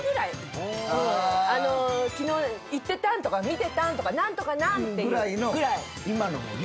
「昨日行ってたん？」とか「見てたん？」とか「何とかなん」っていう。